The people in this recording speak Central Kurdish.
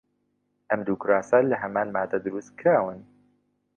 ئەم دوو کراسە لە هەمان ماددە دروست کراون.